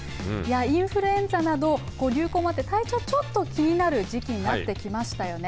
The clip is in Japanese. インフルエンザなどの流行もあって体調ちょっと気になる時期になってきましたよね。